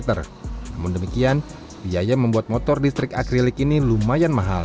namun demikian biaya membuat motor listrik akrilik ini lumayan mahal